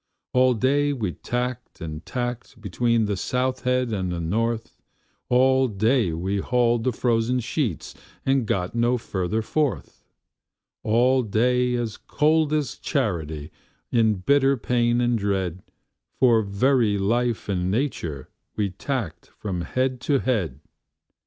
All day we tacked and tacked between the South Head and the North; All day we hauled the frozen sheets, and got no further forth; All day as cold as charity, in bitter pain and dread, For very life and nature we tacked from head to head.